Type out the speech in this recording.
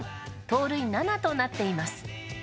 盗塁７となっています。